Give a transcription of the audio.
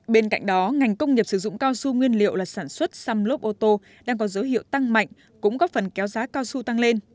bên cạnh đó ngành công nghiệp sử dụng cao su nguyên liệu là sản xuất xăm lốp ô tô đang có dấu hiệu tăng mạnh cũng góp phần kéo giá cao su tăng lên